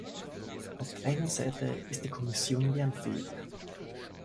Auf der einen Seite ist die Kommission lernfähig.